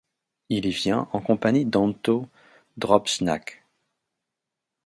Il y vient en compagnie d'Anto Drobnjak.